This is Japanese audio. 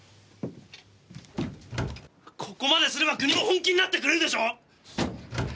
ここまですれば国も本気になってくれるでしょう！？